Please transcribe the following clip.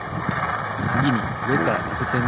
つぎにうえからたてせん